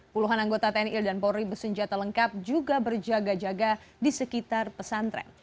puluhan anggota tni dan polri bersenjata lengkap juga berjaga jaga di sekitar pesantren